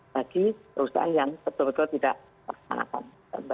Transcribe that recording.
bagi perusahaan yang betul betul tidak laksanakan